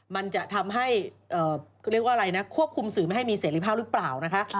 มันจะทำให้ควบคุมสื่อไม่ให้มีเสร็จลิภาพหรือเปล่า